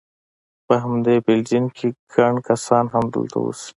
په همدې بلډینګ کې، ګڼ کسان همدلته اوسي.